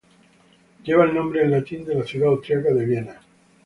Lleva el nombre en latín de la ciudad austriaca de Viena.